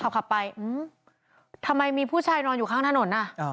ขับไปทำไมมีผู้ชายนอนอยู่ข้างถนนอ่ะ